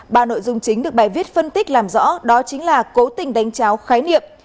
ba nội dung chính được bài viết phân tích làm rõ đó chính là cố tình đánh cháo khái niệm